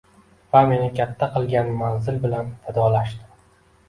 Va meni katta qilgan manzil bilan vidolashdim.